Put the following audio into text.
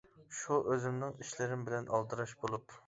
شۇ ئۆزۈمنىڭ ئىشلىرىم بىلەن ئالدىراش بولۇپ.